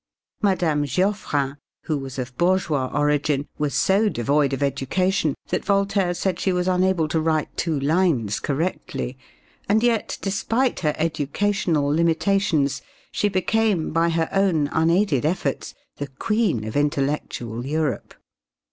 Mme. Geoffrin, who was of bourgeois origin, was so devoid of education that Voltaire said she was unable to write two lines correctly. And yet, despite her educational limitations, she became, by her own unaided efforts, the queen of intellectual Europe.